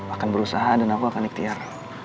akan berusaha dan aku akan ikhtiar